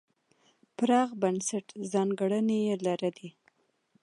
پراخ بنسټه ځانګړنې یې لرلې.